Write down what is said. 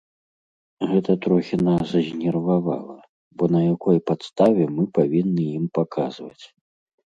Гэта трохі нас знервавала, бо на якой падставе мы павінны ім паказваць.